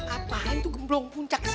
apaan itu gemblong puncak sih